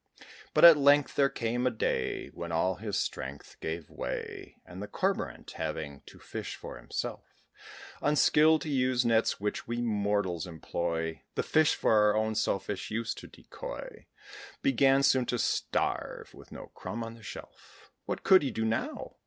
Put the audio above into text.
But at length there came a day When his strength gave way, And the Cormorant, having to fish for himself, Unskilled to use nets which we mortals employ, The fish for our own selfish use to decoy, Began soon to starve; with no crumb on the shelf, What could he do now?